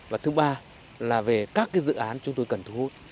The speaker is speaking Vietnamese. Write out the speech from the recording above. và thứ ba là về các cái dự án chúng tôi cần thu hút